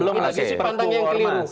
ini lagi sisi pandangnya yang keliru